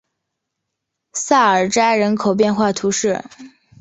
萨尔扎人口变化图示